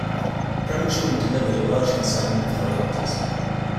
Prematurely delivered a large consignment of helicopters.